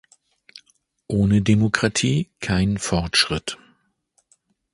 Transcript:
Ohne Demokratie kein Fortschritt.